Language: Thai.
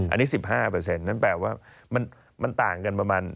อันนี้๑๕นั้นแปลว่ามันต่างกันประมาณ